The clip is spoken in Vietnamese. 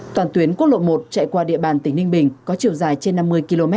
toàn tuyến quốc lộ một chạy qua địa bàn tỉnh ninh bình có chiều dài trên năm mươi km